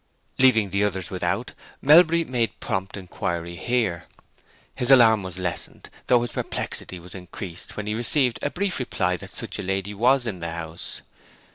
Leaving the others without, Melbury made prompt inquiry here. His alarm was lessened, though his perplexity was increased, when he received a brief reply that such a lady was in the house.